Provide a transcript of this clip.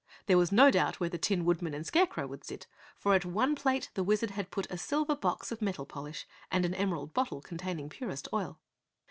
There was no doubt where the Tin Woodman and Scarecrow would sit, for at one plate the Wizard had put a silver box of metal polish and an emerald bottle containing purest oil.